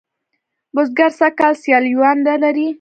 بزگر سږ کال سیاليوان نه لري.